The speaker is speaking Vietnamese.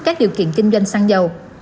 các điều kiện kinh doanh xăng dầu